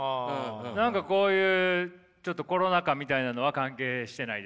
何かこういうちょっとコロナ禍みたいなのは関係してないですか？